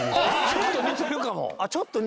「ちょっと似てるか」